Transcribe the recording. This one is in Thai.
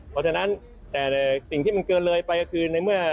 เพราะฉะนั้นแต่สิ่งที่มันเกินเลยไปก็คือในเมื่อ